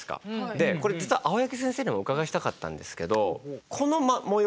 でこれ実は青柳先生にもお伺いしたかったんですけどこの模様。